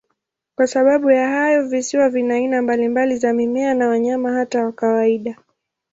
Kwa sababu ya hayo, visiwa vina aina mbalimbali za mimea na wanyama, hata kawaida.